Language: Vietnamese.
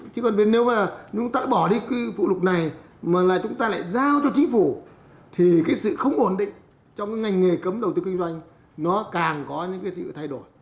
chứ còn nếu mà chúng ta bỏ đi cái phụ lục này mà là chúng ta lại giao cho chính phủ thì cái sự không ổn định trong cái ngành nghề cấm đầu tư kinh doanh nó càng có những cái sự thay đổi